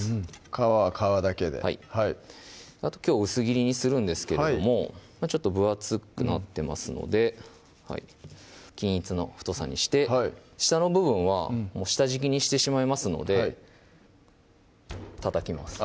皮は皮だけではいあときょう薄切りにするんですけれどもちょっと分厚くなってますので均一の太さにして下の部分は下敷きにしてしまいますのでたたきます